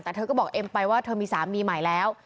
แต่เธอก็บอกเอ็มไปว่าเธอมีสามีใหม่แล้ว